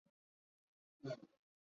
曾供职于天津市财政局。